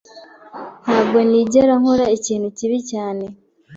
Ntabwo nigera nkora ikintu kibi cyane.